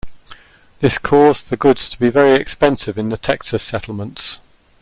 This caused the goods to be very expensive in the Texas settlements.